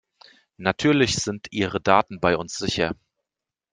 Natürlich sind ihre Daten bei uns sicher!